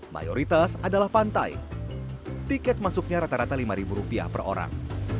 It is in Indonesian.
mayoritas adalah pantai tiket masuknya rata rata lima rupiah per orang